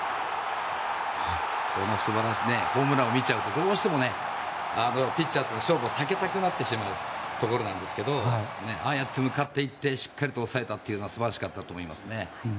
この素晴らしいホームランを見ちゃうとどうしてもピッチャーというのは勝負を避けたくなってしまうところなんですがああやって向かっていってしっかりと抑えたのは素晴らしかったと思います。